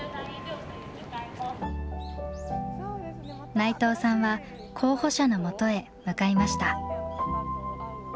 内藤さんは候補者の元へ向かいました。